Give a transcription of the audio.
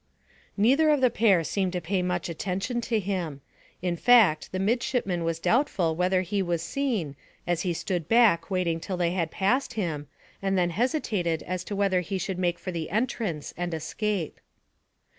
Neither of the pair seemed to pay any attention to him; in fact, the midshipman was doubtful whether he was seen as he stood back waiting till they had passed him, and then hesitated as to whether he should make for the entrance and escape.